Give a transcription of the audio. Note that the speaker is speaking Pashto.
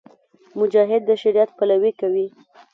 مجاهد د شریعت پلوۍ کوي.